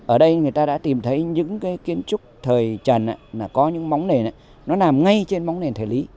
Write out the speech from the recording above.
ở đây người ta đã tìm thấy những cái kiến trúc thời trần có những móng nền nó nằm ngay trên móng nền thời lý